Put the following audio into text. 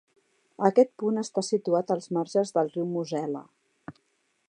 Aquest punt està situat als marges del riu Mosel·la.